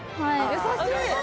優しい。